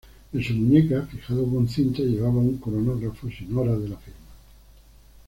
En su muñeca, fijado con cintas, llevaba un cronógrafo sin hora de la firma.